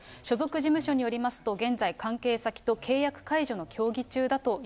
所属事務所によりますと、現在関係先と契約解除の協